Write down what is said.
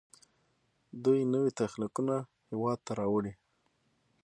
دوی نوي تخنیکونه هیواد ته راوړي.